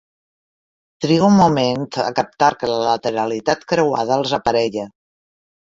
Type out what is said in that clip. Trigo un moment a captar que la lateralitat creuada els aparella.